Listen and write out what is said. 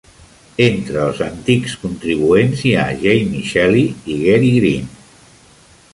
Entre els antics contribuents hi ha Jamie Shalley i Gary Green.